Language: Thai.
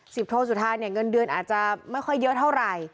โทสุธาเนี่ยเงินเดือนอาจจะไม่ค่อยเยอะเท่าไหร่